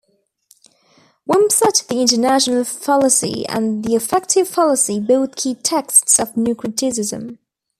Wimsatt, "The Intentional Fallacy" and "The Affective Fallacy," both key texts of New Criticism.